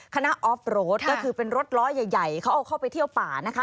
ออฟโรดก็คือเป็นรถล้อใหญ่เขาเอาเข้าไปเที่ยวป่านะคะ